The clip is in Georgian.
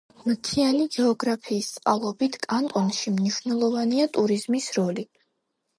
მთიანი გეოგრაფიის წყალობით, კანტონში მნიშვნელოვანია ტურიზმის როლი.